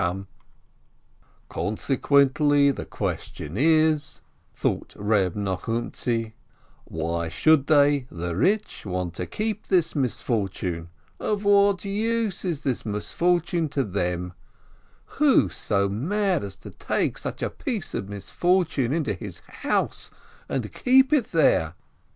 THE MISFORTUNE 17 "Consequently, the question is," thought Reb Nochumtzi, "why should they, the rich, want to keep this misfortune? Of what use is this misfortune to them? Who so mad as to take such a piece of misfor tune into his house and keep it there